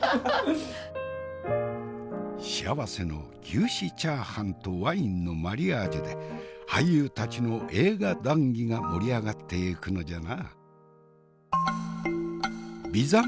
幸せの牛脂チャーハンとワインのマリアージュで俳優たちの映画談議が盛り上がってゆくのじゃな。